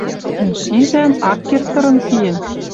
Мӹнь шижӓм, ак керд тырын киэн